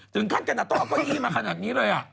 ถึงขั้นการณะต้องเอาก้อยอี้มาขนาดนี้เลยอ่ะ